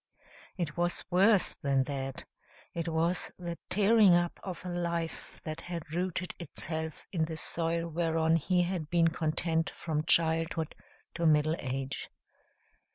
It was worse than that it was the tearing up of a life that had rooted itself in the soil whereon he had been content from childhood to middle age.